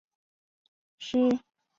父亲陈彬是塾师。